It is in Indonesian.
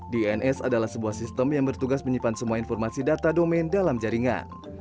dns adalah sebuah sistem yang bertugas menyimpan semua informasi data domain dalam jaringan